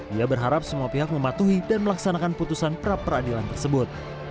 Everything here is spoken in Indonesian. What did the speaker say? ia berharap semua pihak mematuhi dan melaksanakan putusan pra peradilan tersebut